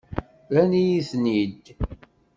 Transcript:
Rran-iyi-ten-id.